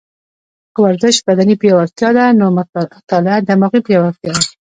که ورزش بدني پیاوړتیا ده، نو مطاله دماغي پیاوړتیا ده